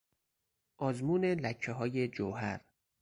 آزمون لکههای جوهر